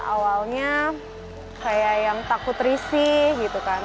awalnya kayak yang takut risih gitu kan